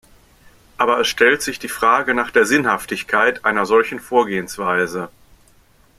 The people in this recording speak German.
Aber es stellt sich die Frage nach der Sinnhaftigkeit einer solchen Vorgehensweise.